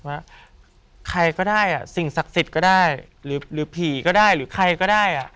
ว่าใครก็ได้สิ่งศักดิ์สิทธิ์ก็ได้หรือผีก็ได้หรือใครก็ได้